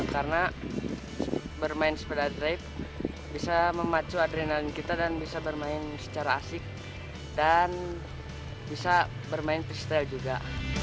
karena bermain sepeda drift bisa memacu adrenalin kita dan bisa bermain secara asik dan bisa bermain freestyle juga